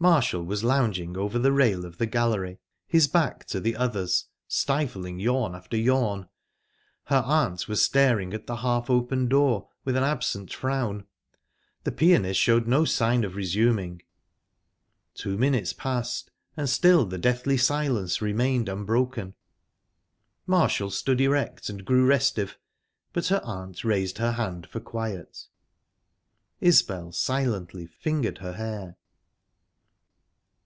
Marshall was lounging over the rail of the gallery, his back to the others; stifling yawn after yawn; her aunt was staring at the half open door, with an absent frown. The pianist showed no sign of resuming; two minutes passed, and still the deathly silence remained unbroken. Marshall stood erect and grew restive, but her aunt raised her hand for quiet. Isbel silently fingered her hair.